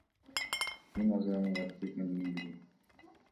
Мен азыр анын каякта экендигин билбейм.